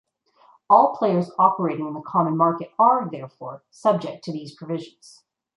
All players operating in the common market are therefore subject to these provisions.